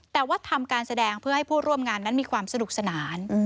แต่ว่าทำการแสดงเพื่อให้ผู้ร่วมงานนั้นมีความสนุกสนาน